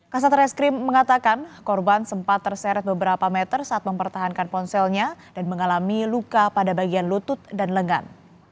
kasat reskrim mengatakan korban sempat terseret beberapa meter saat mempertahankan ponselnya dan mengalami luka pada bagian lutut dan lengan